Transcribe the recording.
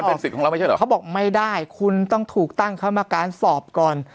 เป็นสิทธิ์ของเราไม่ใช่เหรอเขาบอกไม่ได้คุณต้องถูกตั้งคำการสอบก่อน